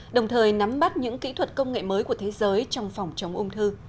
đồng thời nắm bắt những kỹ thuật công nghệ mới của thế giới trong phòng chống ung thư